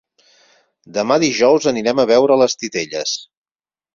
Demà dijous anirem a veure les titelles.